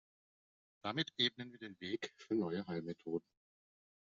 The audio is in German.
Damit ebnen wir den Weg für neue Heilmethoden.